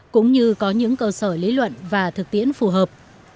cũng như có những cơ sở lý luận và thực tiễn phù hợp